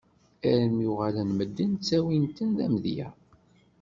Armi uɣalen medden ttawin-ten d amedya!